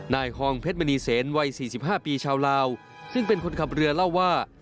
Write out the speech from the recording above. นายฮองเพชรมณีเซนวัยสี่สิบห้าปีชาวลาวซึ่งเป็นคนขับเรือเล่าว่า